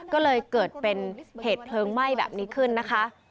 ก็เลยเกิดเป็นเหตุเพลิงไหม้แบบนี้ขึ้นนะคะ